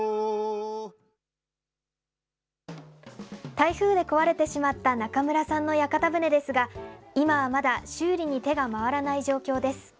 台風で壊れてしまった中村さんの屋形船ですが、今はまだ修理に手が回らない状況です。